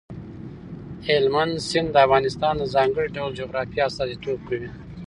هلمند سیند د افغانستان د ځانګړي ډول جغرافیه استازیتوب کوي.